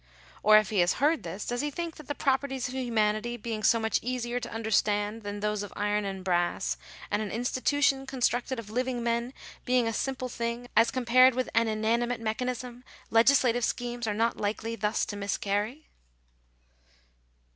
Or, if he has heard this, does he think that the properties of humanity being so much easier to under stand than those of iron and brass, and an institution con structed of living men being a simple thing as compared with an inanimate mechanism, legislative schemes are not likely thus to miscarry?